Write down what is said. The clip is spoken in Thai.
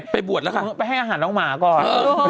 บวชแล้วค่ะไปให้อาหารน้องหมาก่อน